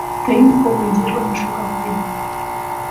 — Тыйым командирлан шогалтем.